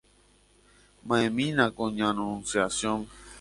Ma'ẽmínako ña Anunciación.